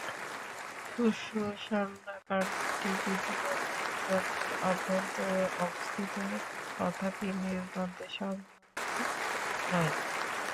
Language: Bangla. সুষুম্নাকাণ্ডটি যদিও মেরুদণ্ডের অভ্যন্তরে অবস্থিত তথাপি মেরুদণ্ডে সংলগ্ন নয়।